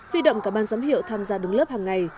huy động cả ban giám hiệu tham gia đứng lớp hằng ngày